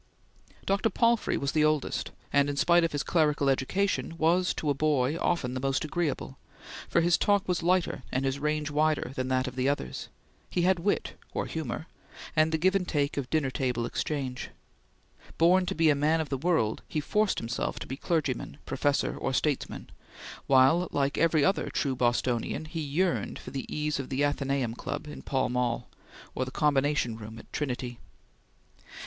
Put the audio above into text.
Dr. Palfrey was the oldest, and in spite of his clerical education, was to a boy often the most agreeable, for his talk was lighter and his range wider than that of the others; he had wit, or humor, and the give and take of dinner table exchange. Born to be a man of the world, he forced himself to be clergyman, professor, or statesman, while, like every other true Bostonian, he yearned for the ease of the Athenaeum Club in Pall Mall or the Combination Room at Trinity.